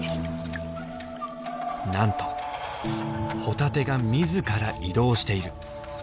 なんとホタテが自ら移動している。